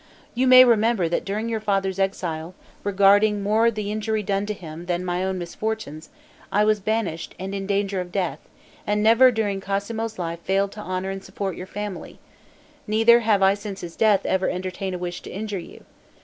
You may remember that during your father's exile, regarding more the injury done to him than my own misfortunes, I was banished, and in danger of death, and never during Cosmo's life failed to honor and support your family; neither have I since his death ever entertained a wish to injure you.